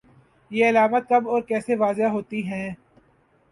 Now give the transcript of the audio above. یہ علامات کب اور کیسے واضح ہوتی ہیں